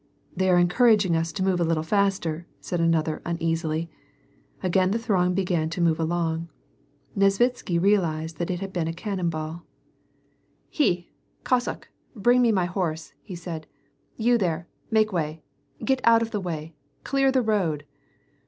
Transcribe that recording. "They are encouraging us to move a little ftister," said another uneasily. Again the throng began to move along. Nesvitsky realized that it had been a cannon ball. •' 166 WAR AND PEACE. " H^ ! Cossack ! bring me my horse !" he said. " You there ! make way, get out of the way ! Clear the road